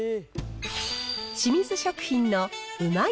清水食品のうまい！